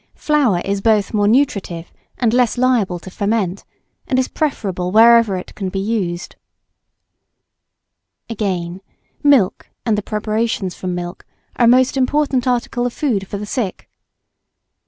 Flour is both more nutritive, and less liable to ferment, and is preferable wherever it can be used. [Sidenote: Milk, butter, cream, &c.] Again, milk and the preparations from milk, are a most important article of food for the sick.